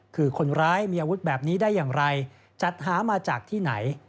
คือคนร้ายมีอาวุธแบบนี้ได้อย่างไรจัดหามาจากที่ไหน